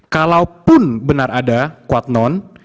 kalau pun benar ada quote non